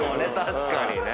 確かにね。